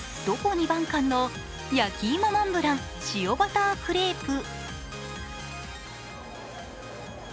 弍番館のやきいもモンブラン塩バタークレープ。